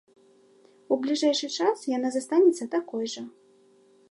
У бліжэйшы час яна застанецца такой жа.